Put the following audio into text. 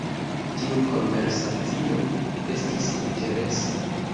Tiu konversacio estis interesa.